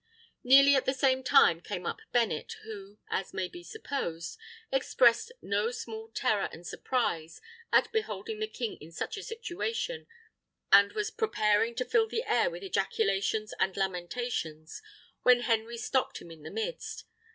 Nearly at the same time came up Bennet, who, as may be supposed, expressed no small terror and surprise at beholding the king in such a situation, and was preparing to fill the air with ejaculations and lamentations, when Henry stopped him in the midst.